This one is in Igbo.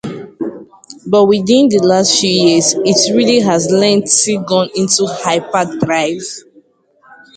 but within the last few years it really has lengthy gone into hyper drive